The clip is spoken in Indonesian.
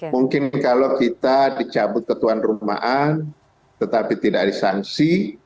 mungkin kalau kita dicabut ke tuan rumah tetapi tidak disansi